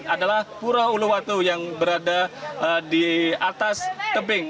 adalah pura uluwatu yang berada di atas tebing